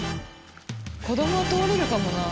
子供は通れるかもな。